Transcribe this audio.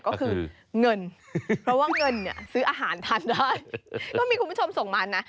ก็คือเงินเพราะว่าเงินเนี่ยซื้ออาหารทานได้ก็มีคุณผู้ชมส่งมานะ